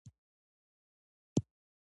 بر خوات: